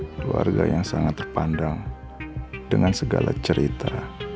keluarga yang sangat terpandang dengan segala cerita